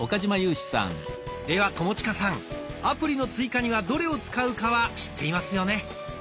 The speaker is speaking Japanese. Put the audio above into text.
では友近さんアプリの追加にはどれを使うかは知っていますよね？